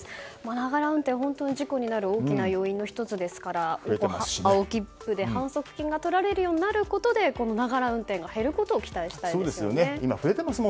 ながら運転、本当に事故になる大きな要因の１つですから青切符で反則金がとられるようになることでながら運転が減ることを期待したいですよね。